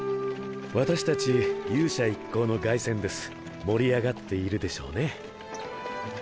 私たち勇者一行の凱旋です盛り上がっているでしょうね。